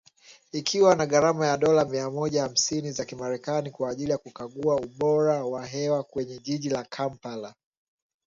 Ikiwa na gharama ya dola mia moja hamsini za kimerekani kwa ajili ya kukagua ubora wa hewa kwenye jiji la Kampala